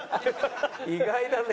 意外だね。